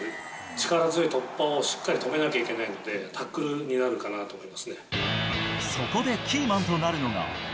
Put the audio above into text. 力強い突破をしっかり止めないといけないので、タックルになるかそこでキーマンとなるのが。